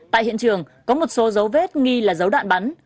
tại hiện trường có một số dấu vết nghi là dấu đạn bắn